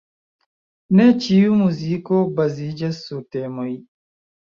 Ne ĉiu muziko baziĝas sur temoj.